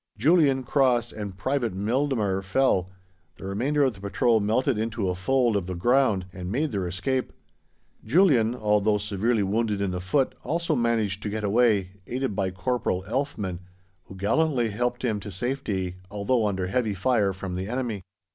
Julian, Cross, and Private Mildemer fell; the remainder of the patrol melted into a fold of the ground and made their escape. Julian, although severely wounded in the foot, also managed to get away, aided by Corporal Elfman, who gallantly helped him to safety, although under heavy fire from the enemy.